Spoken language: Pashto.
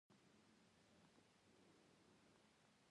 مور مينه د خوب لپاره یوازې پرېښودله